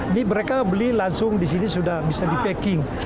ini mereka beli langsung di sini sudah bisa di packing